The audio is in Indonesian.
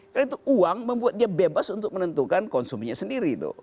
karena itu uang membuat dia bebas untuk menentukan konsumenya sendiri tuh